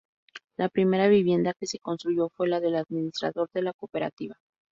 La primera vivienda que se construyó fue la del administrador de la cooperativa.